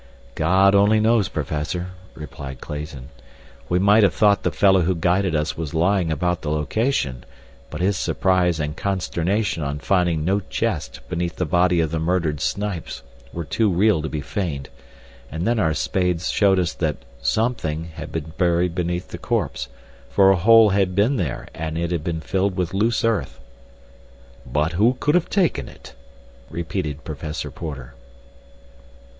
"God only knows, Professor," replied Clayton. "We might have thought the fellow who guided us was lying about the location, but his surprise and consternation on finding no chest beneath the body of the murdered Snipes were too real to be feigned. And then our spades showed us that something had been buried beneath the corpse, for a hole had been there and it had been filled with loose earth." "But who could have taken it?" repeated Professor Porter.